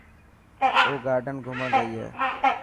او گارڊ گھمڻ گئي هي.